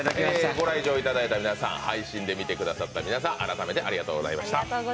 ご来場いただいた皆さん、配信で見てくださった皆さん、改めて、ありがとうございました。